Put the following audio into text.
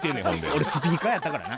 俺スピーカーやったからな。